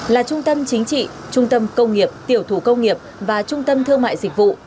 là trung tâm chính trị trung tâm công nghiệp tiểu thủ công nghiệp và trung tâm thương mại dịch vụ